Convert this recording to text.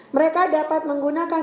mereka dapat menggunakan